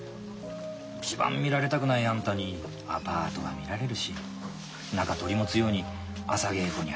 一番見られたくないあんたにアパートは見られるし仲取り持つように朝稽古には誘ってくれるし。